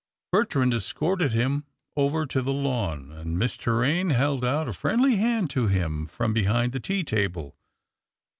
Bertrand escorted him over to the lawn, and Miss Torraine held out a friendly hand to him from behind the tea table.